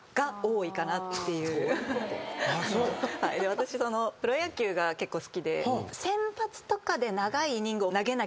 私プロ野球が結構好きで。